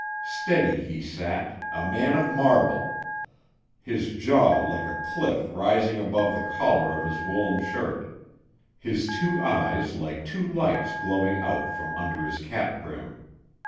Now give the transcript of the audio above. Steady he sat, a man of marble, his jaw like a cliff rising above the collar of his woollen shirt, his two eyes like two lights glowing out from under his cap brim.